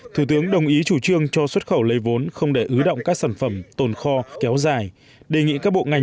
thủ tướng lưu ý hiện có tồn tại lớn trong đầu tư xây dựng cơ bản